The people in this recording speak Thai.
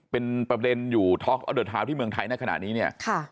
เป็นประเด็นอยู่ท็อกออเดอร์ทาวน์ที่เมืองไทยในขณะนี้เนี่ย